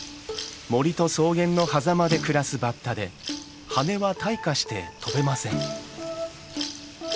森と草原のはざまで暮らすバッタで羽は退化して飛べません。